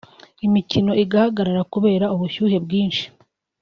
imikino igahagarara kubera ubushyuhe bwinshi